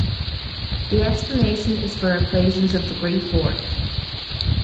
The explanation is for equations of degree four.